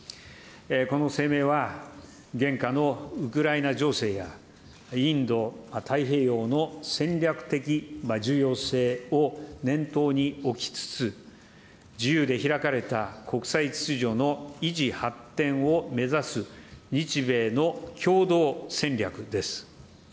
この声明は、現下のウクライナ情勢や、インド太平洋の戦略的重要性を念頭に起きつつ、自由で開かれた国際秩序の維持・発展を目指す、日米の共同戦略です。